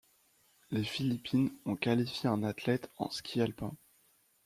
Les Philippines ont qualifié un athlète en ski alpin.